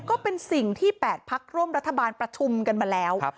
ก็เป็นสิ่งที่๘พักร่วมรัฐบาลประชุมกันมาแล้ว